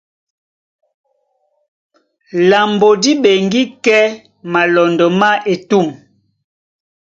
Lambo dí ɓeŋgí kɛ́ malɔndɔ má etûm.